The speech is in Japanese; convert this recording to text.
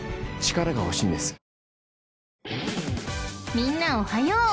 ［みんなおはよう！